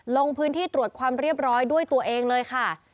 ลงพื้นที่ตรวจความเรียบร้อยด้วยตัวเองเลยค่ะ